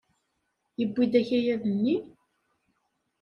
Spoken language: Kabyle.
Yewwi-d akayad-nni?